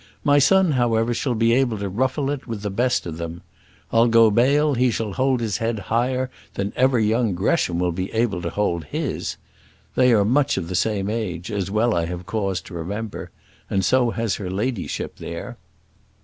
My son, however, shall be able to ruffle it with the best of them. I'll go bail he shall hold his head higher than ever young Gresham will be able to hold his. They are much of the same age, as well I have cause to remember; and so has her ladyship there."